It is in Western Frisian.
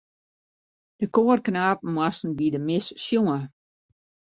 Dy koarknapen moasten by de mis sjonge.